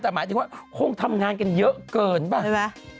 แต่หมายถึงว่าคงทำงานกันเยอะเกินไง